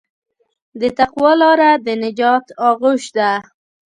د تقوی لاره د نجات آغوش ده.